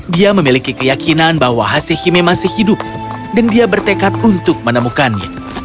dia memiliki keyakinan bahwa hasehime masih hidup dan dia bertekad untuk menemukannya